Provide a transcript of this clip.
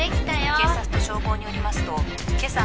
警察と消防によりますと優！